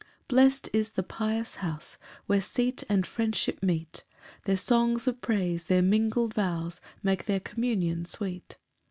2 Blest is the pious house Where seat and friendship meet, Their songs of praise, their mingled vows Make their communion sweet.